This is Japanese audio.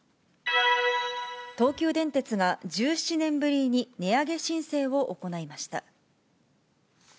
東急電鉄が１７年ぶりに値上げ申請を行いました。